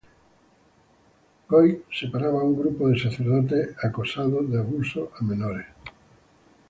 Goic operaba un grupo de sacerdotes acusados de abusos a menores.